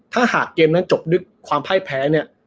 ถ้าหากเกมนั้นจบด้วยความพ่ายแพ้เนี่ย